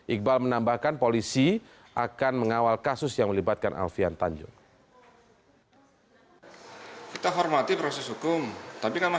iqbal menambahkan polisi akan mengawal kasus yang melibatkan alfian tanjung